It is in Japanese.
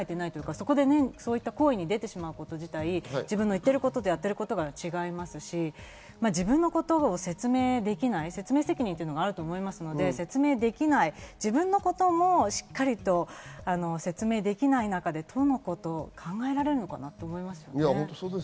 そこで、そういう行為に出てしまうこと自体、自分の言ってることとやってることが違いますし、自分のことを説明できない、説明責任があると思うので、自分のこともしっかりと説明できない中で、都のことを考えられるのかなと思いますね。